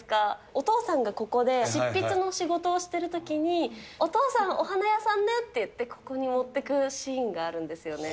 お父さんがここで執筆の仕事をしているときに、お父さんお花屋さんねって、ここに持ってくるシーンがあるんですよね。